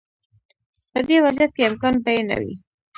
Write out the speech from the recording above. په دې وضعیت کې امکان به یې نه وي.